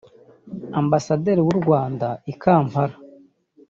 Ambasaderi w’u Rwanda I Kampala